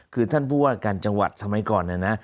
คือท่านผู้ว่าการจังหวัดสมัยก่อนนะนะ